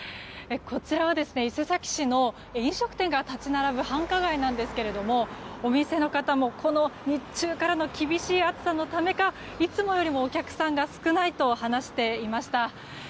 こちらは伊勢崎市の飲食店が立ち並ぶ繁華街なんですけれどもお店の方も日中からの厳しい暑さのためかいつもよりもお客さんが少ないと話していました。